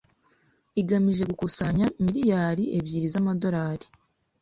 igamije gukusanya miliyari ebyiri z'amadorari